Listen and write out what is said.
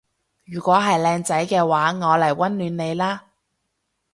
如果係靚仔嘅話我嚟溫暖你啦